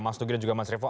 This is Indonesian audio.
mas nugir dan juga mas repo